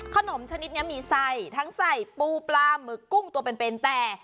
ขนมชนิดนี้มีไส้ทั้งใส่ปูปลาหมึกกุ้งตัวเป็นแต่